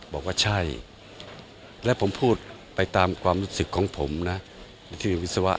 บอกว่าใช่และผมพูดไปตามความรู้สึกของผมนะที่มีวิศวะ